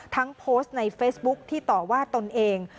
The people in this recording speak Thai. โพสต์ในเฟซบุ๊คที่ต่อว่าตนเอง